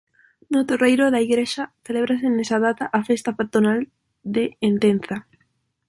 No torreiro da igrexa celébrase nesa data a festa patronal de Entenza.